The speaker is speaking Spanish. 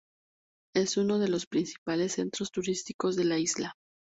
Es uno de los principales centros turísticos de la isla.